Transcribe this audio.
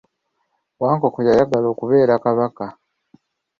Wankoko yayagala okubeera kabaka.